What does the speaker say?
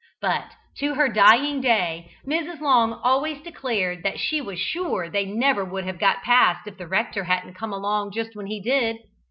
But to her dying day, Mrs. Long always declared that she was sure they never would have got past if the rector hadn't come along just when he did.